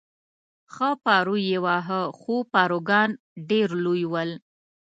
ښه پارو یې واهه، خو پاروګان ډېر لوی ول.